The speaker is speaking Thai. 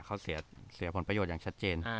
เขาเสียผลประโยชน์อย่างชัดเจน